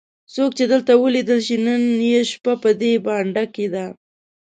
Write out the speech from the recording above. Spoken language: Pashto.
څوک چې دلته ولیدل شي نن یې شپه په دې بانډه کې ده.